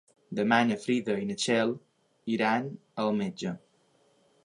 Demà na Frida i na Txell iran al metge.